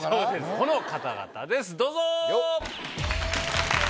この方々ですどうぞ！